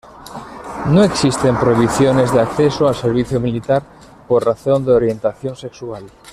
No existen prohibiciones de acceso al servicio militar por razón de orientación sexual.